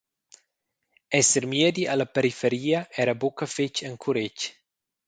Esser miedi alla periferia era buca fetg encuretg.